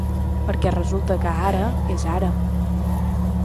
Perquè resulta que ara és ara.